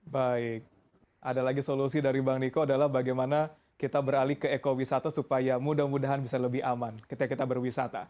baik ada lagi solusi dari bang niko adalah bagaimana kita beralih ke ekowisata supaya mudah mudahan bisa lebih aman ketika kita berwisata